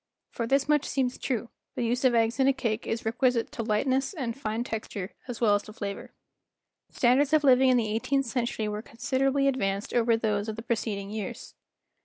For this much seems true, the use of eggs in a cake is requisite to lightness and fine texture as well as to flavor. Standards of living in the eighteenth century were considerably advanced over those of the preceding years.